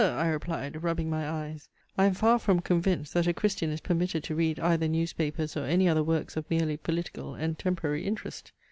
I replied, rubbing my eyes, "I am far from convinced, that a Christian is permitted to read either newspapers or any other works of merely political and temporary interest."